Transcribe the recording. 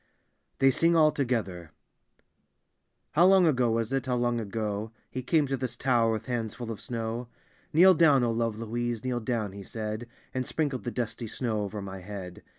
(they sing all togbthbr) How long ago was it, how long ago. He came to this tower with bands full of snow? " Kneel down, O lore Louise, kneel down," he said. And sprinkled the dusty snow over my bead.